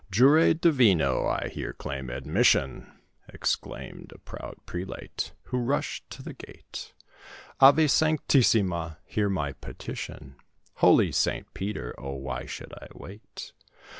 "Jure Divino, I here claim admission!" Exclaimed a proud prelate, who rushed to the gate; "Ave Sanctissima, hear my petition Holy Saint Peter; O, why should I wait?